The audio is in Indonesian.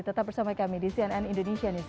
tetap bersama kami di cnn indonesia news